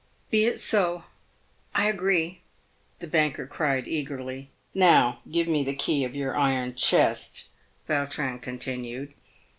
" Be it so. I agree," the banker cried, eagerly. " Now, give me the key of your iron chest," Yautrin continued.